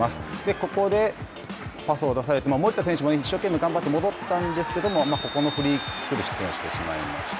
ここで、パスを出されて守田選手も一生懸命頑張って戻ったんですがここのフリーキックで失点してしまいました。